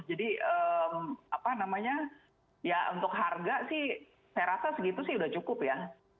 jadi apa namanya ya untuk harga sih saya rasa segitu sih sudah cukup ya